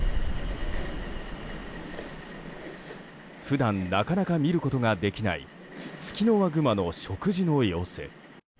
普段なかなか見ることができないツキノワグマの食事の様子。